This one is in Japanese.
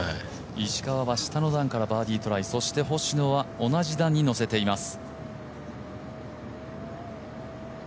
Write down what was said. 石川は下の段からバーディートライそして星野は同じ段に乗せています。